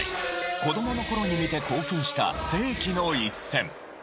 子どもの頃に見て興奮した世紀の一戦。